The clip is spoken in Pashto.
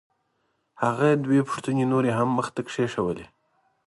هغه دوه پوښتنې نورې هم مخ ته وغورځولې.